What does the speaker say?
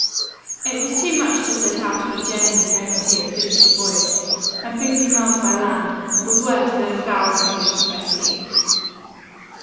It was too much to set out on a journey the moment he had finished a voyage, and fifty miles by land, was worse than a thousand leagues by sea.